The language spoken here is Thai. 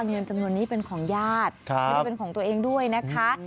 เงินจำนวนนี้เป็นของญาติไม่ได้เป็นของตัวเองด้วยนะคะ